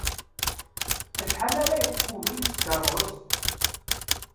Acḥal ara yeṭṭef ubrid s tkeṛṛust?